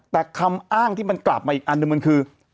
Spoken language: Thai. แต่คำอ้างที่มันกลับมาอีกอันหนึ่งมันคือ